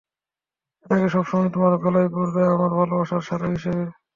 এটাকে সবসময় তোমার গলায় পরবে, আমার ভালোবাসার স্মারক হিসেবে।